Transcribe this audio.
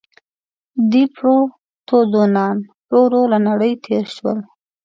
دیپروتودونان ورو ورو له نړۍ تېر شول.